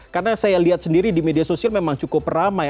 karena saya lihat sendiri di media sosial memang cukup ramai